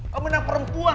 kamu yang perempuan